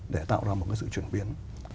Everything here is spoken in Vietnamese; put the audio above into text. để tạo ra một cái sự chuyển biến